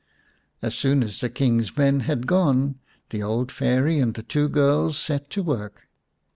As soon as the King's men had gone, the old Fairy and the two girls set to work.